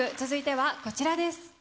続いてはこちらです。